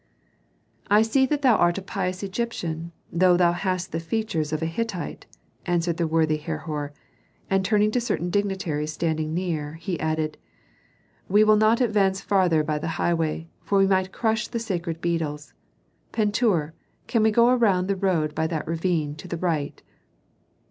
"I see that thou art a pious Egyptian, though thou hast the features of a Hittite," answered the worthy Herhor; and turning to certain dignitaries standing near, he added, "We will not advance farther by the highway, for we might crush the sacred beetles. Pentuer, can we go around the road by that ravine on the right?"